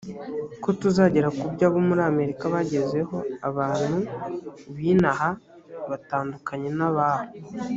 ko tuzagera ku byo abo muri amerika bagezeho abantu b ino aha batandukanye n abaho